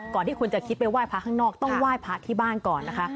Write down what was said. ที่คุณจะคิดไปไหว้พระข้างนอกต้องไหว้พระที่บ้านก่อนนะคะ